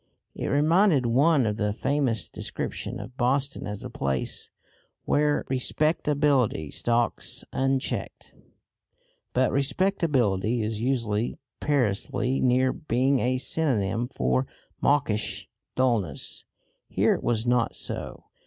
It reminded one of the famous description of Boston as the place "where respectability stalks unchecked." But respectability is usually perilously near being a synonym for mawkish dullness. Here it was not so.